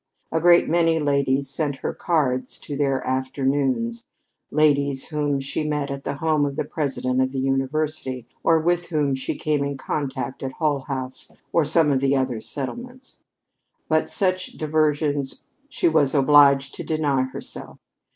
A great many ladies sent her cards to their "afternoons" ladies whom she met at the home of the President of the University, or with whom she came in contact at Hull House or some of the other settlements. But such diversions she was obliged to deny herself.